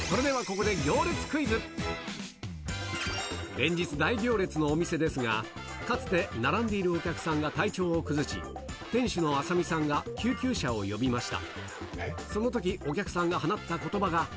連日大行列のお店ですが、かつて並んでいるお客さんが体調を崩し、店主の朝見さんが救急車を呼びました。